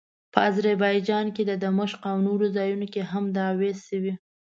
په اذربایجان، دمشق او نورو ځایونو کې هم دعوې شوې.